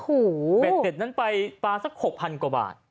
โอ้โหเบ็ดเสร็จนั้นไปปลาสัก๖๐๐กว่าบาท